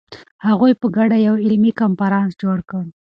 هغوی په ګډه یو علمي کنفرانس جوړ کړ.